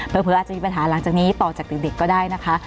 เผลออาจจะมีปัญหาหลังจากนี้ต่อจากเด็กก็ได้นะคะ